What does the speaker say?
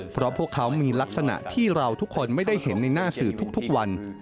เพราะพวกเขามีลักษณะที่เราทุกคนไม่ได้เห็นในหน้าสื่อทุกวัน